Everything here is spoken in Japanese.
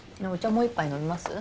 もう一杯飲みます？